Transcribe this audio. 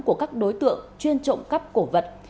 của các đối tượng chuyên trộm cắp cổ vật